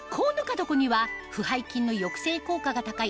どこには腐敗菌の抑制効果が高い